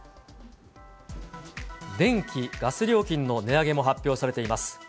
電気、ガス料金の値上げも発表されています。